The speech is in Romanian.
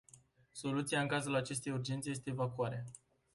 Soluția în cazul acestei urgențe este evacuarea.